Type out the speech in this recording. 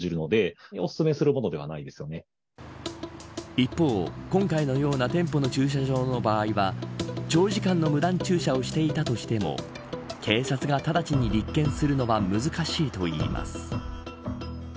一方、今回のような店舗の駐車場の場合は長時間の無断駐車をしていたとしても警察が直ちに立件するのは難しいといいます。